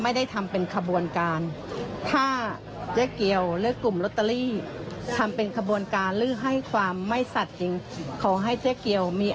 ไม่ได้ทำเป็นขบวนการถ้าเจ๊เกียวยอกกลุ่มล้อตเตอรี่ทำเป็นขบวนการถึงให้ความ